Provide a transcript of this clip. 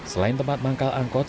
selain tempat manggal angkot